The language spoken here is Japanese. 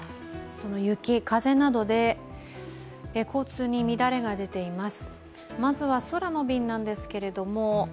雪、風などで交通に乱れが出ています。